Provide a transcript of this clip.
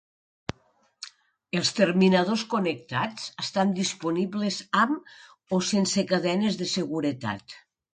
Els terminadors connectats estan disponibles amb o sense cadenes de seguretat.